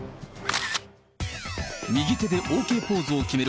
右手でＯＫポーズを決める